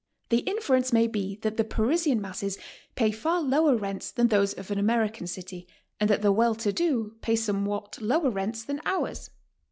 The inference may be that the Parisian masses pay far lower rents than those of an Ameri can city, and that the well to do pay somewhat lower rents than ours.